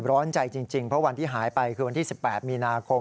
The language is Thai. ร้อนใจจริงเพราะวันที่หายไปคือวันที่๑๘มีนาคม